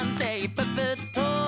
ププッと」